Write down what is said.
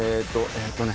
えーっとね。